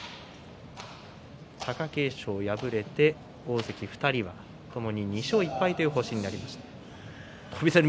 貴景勝敗れて大関２人が、ともに２勝１敗という星になりました。